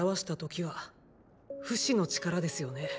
フシの力ですよね。